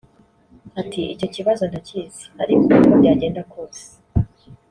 Ati “Icyo kibazo ndakizi ariko uko byagenda kose